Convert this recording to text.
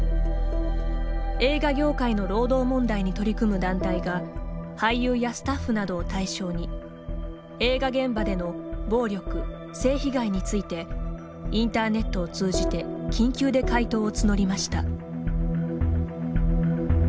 映画業界の労働問題に取り組む団体が俳優やスタッフなどを対象に映画現場での暴力・性被害についてインターネットを通じて緊急で回答を募りました。